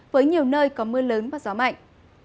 với nhiều nơi có mưa lớn và gió mạnh